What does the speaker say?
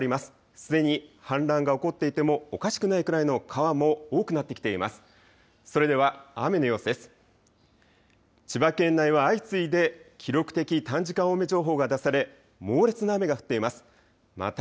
すでに氾濫が起こっていてもおかしくないくらいの川も多くなってきています。